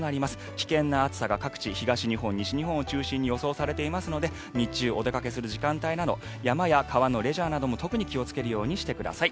危険夏差が各地に東日本、西日本を中心に予想されていますので日中、お出かけする時間帯など山や川のレジャーなども特に気をつけるようにしてください。